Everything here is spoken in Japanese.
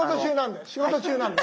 仕事中なんで。